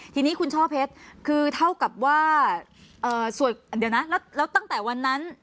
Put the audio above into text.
ทีนี้คุณช่อเพชรคือเท่ากับว่าสวยเดี๋ยวนะแล้วตั้งแต่วันนั้น